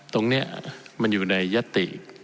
ตรงนี้มันอยู่ในยัตติ